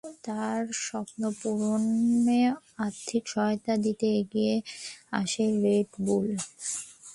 তার এই স্বপ্ন পূরণে আর্থিক সহায়তা দিতে এগিয়ে আসে রেড বুল।